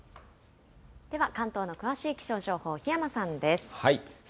では関東の詳しい気象情報、檜山さんです。